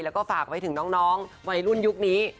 แล้วก็ฝากไปถึงน้องวัยรุ่นยุคนี้